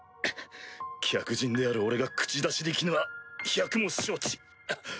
客人である俺が口出しできぬは百も承知。